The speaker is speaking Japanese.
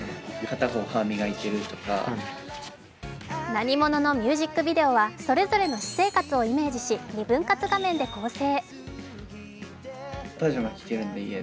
「なにもの」のミュージックビデオは、それぞれの私生活をイメージし２分割画面で構成。